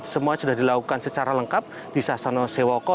semua sudah dilakukan secara lengkap di sasono sewoko